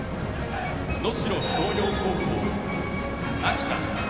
能代松陽高校・秋田。